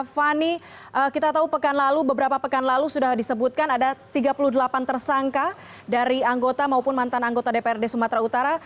fani kita tahu pekan lalu beberapa pekan lalu sudah disebutkan ada tiga puluh delapan tersangka dari anggota maupun mantan anggota dprd sumatera utara